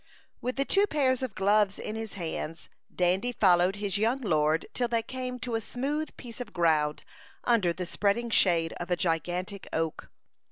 With the two pairs of gloves in his hands, Dandy followed his young lord till they came to a smooth piece of ground, under the spreading shade of a gigantic oak.